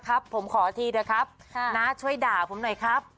นะครับผมขออธิเดี๋ยวครับนะช่วยด่าผมหน่อยครับ